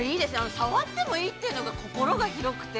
触ってもいいというのが心が広くて。